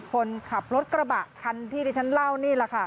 คนขับรถกระบะคันที่ที่ฉันเล่านี่แหละค่ะ